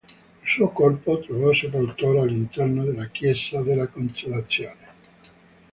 Il suo corpo trovò sepoltura all'interno della chiesa della Consolazione.